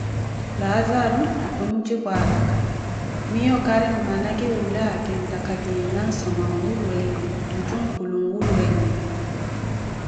Laazaro khunjipu araka: miiyo kaari mmana khiwula kintaaka khiye na nsoma nwulweene, nthunkulu nwulweene.